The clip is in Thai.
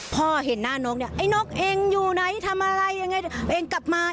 พ่อเห็นหน้าน้องเนี่ยไอ้นกอยู่ไหนทำอะไร